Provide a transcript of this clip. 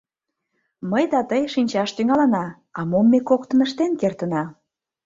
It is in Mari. Мый да тый шинчаш тӱҥалына, а мом ме коктын ыштен кертына?